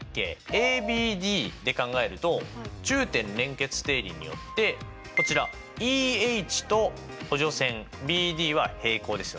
ＡＢＤで考えると中点連結定理によってこちらＥＨと補助線ＢＤは平行ですよね。